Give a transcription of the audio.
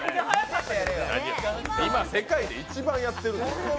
今、世界で一番やってる。